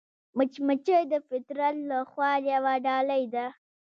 مچمچۍ د فطرت له خوا یوه ډالۍ ده